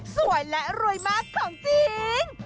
สวยและรวยมากของจริง